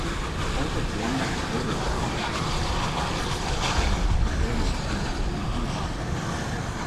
All but one of the older spas were converted into refugee housing.